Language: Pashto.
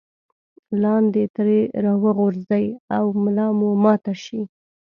لاندې ترې راوغورځئ او ملا مو ماته شي.